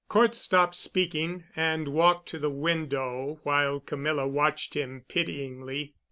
Cort stopped speaking and walked to the window, while Camilla watched him pityingly.